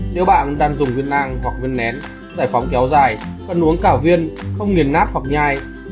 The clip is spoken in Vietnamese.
nếu bạn đang dùng viên lang hoặc viên nén giải phóng kéo dài cần uống cả viên không nghiền nát hoặc nhai